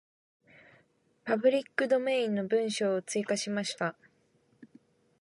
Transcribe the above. パブリックドメインの文章を追加しました。